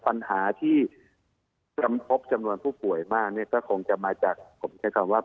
ปัญหาที่พบจำนวนผู้ป่วยมากเนี่ยก็คงจะมาจากผมใช้คำว่า